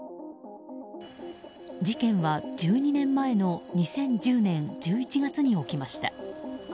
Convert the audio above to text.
事件は１２年前の２０１０年１１月に起きました。